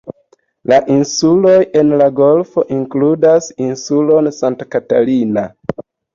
La insuloj en la golfo inkludas insulon Santa Catalina.